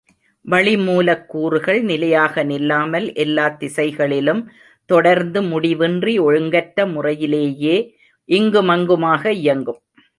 வளிமூலக்கூறுகள் நிலையாக நில்லாமல் எல்லாத் திசைகளிலும் தொடர்ந்து முடிவின்றி ஒழுங்கற்ற முறையிலேயே இங்குமங்குமாக இயங்கும்.